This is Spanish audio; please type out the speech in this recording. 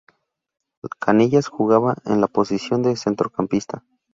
Canillas jugaba en la posición de centrocampista.